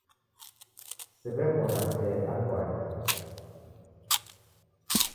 Siw'eghora tee anduangi.